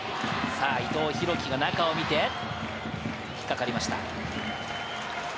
伊藤洋輝が中を見て、引っかかりました。